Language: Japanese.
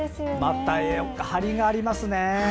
また張りがありますね。